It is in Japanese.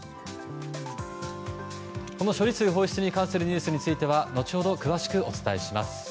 この処理水放出に関するニュースについては後ほど、詳しくお伝えします。